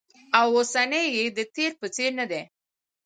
او اوسنی یې د تېر په څېر ندی